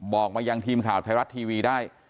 บอกมายังทีมข่าวไทยรัฐทีวีได้